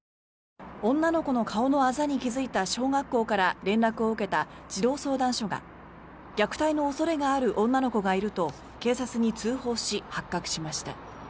女の子の顔のあざに気付いた小学校から連絡を受けた児童相談所が虐待の恐れがある女の子がいると警察に通報し、発覚しました。